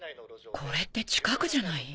これって近くじゃない？